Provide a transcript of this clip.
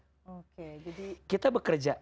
jadi kita bekerja